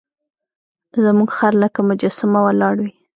زموږ خر لکه مجسمه ولاړ وي.